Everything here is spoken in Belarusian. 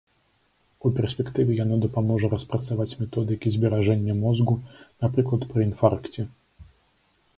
У перспектыве яно дапаможа распрацаваць методыкі зберажэння мозгу, напрыклад, пры інфаркце.